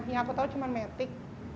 yang aku tahu cuma metik